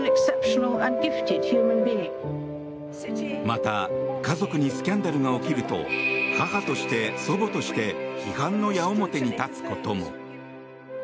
また家族にスキャンダルが起きると母として、祖母として批判の矢面に立つことも。